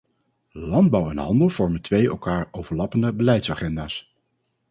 Landbouw en handel vormen twee elkaar overlappende beleidsagenda's.